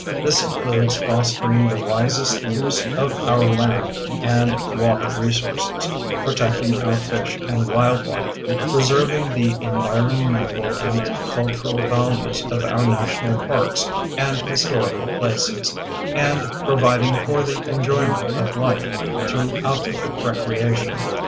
This includes fostering the wisest use of our land and water resources, protecting our fish and wildlife, preserving the environmental and cultural values of our national parks and historical places, and providing for the enjoyment of life through outdoor recreation.